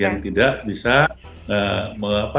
yang tidak bisa apa menerima